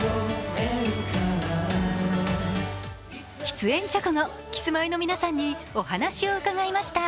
出演直後、キスマイの皆さんにお話を伺いました。